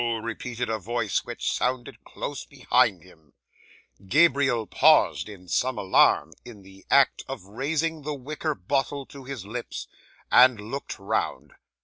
repeated a voice which sounded close behind him. 'Gabriel paused, in some alarm, in the act of raising the wicker bottle to his lips, and looked round.